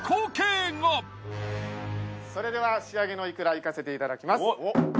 それでは仕上げのイクラいかせていただきます。